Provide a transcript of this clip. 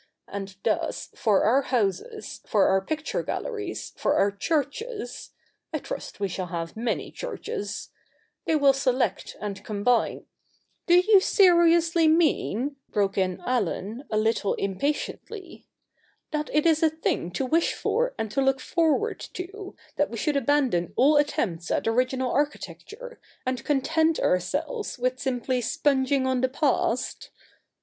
And thus for our 192 THE NEW REPUBLIC [bk. iv houses, fur our picture galleries, for our churches — I trust we shall have many churches — they will select and combine '' Do you seriously mean,' broke in Allen, a little impatiently, ' that it is a thing to wish for and to look forward to, that we should abandon all attempts at original architecture, and content ourselves with simply sponging on the past